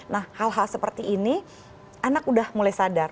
nah hal hal seperti ini anak udah mulai sadar